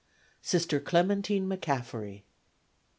Sister Clementine McCaffery.